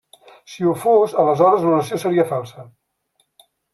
Si ho fos, aleshores l'oració seria falsa.